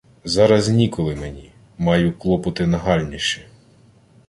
— Зараз ніколи мені... Маю клопоти нагальніші...